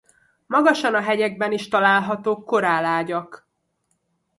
Magasan a hegyekben is találhatók korál ágyak.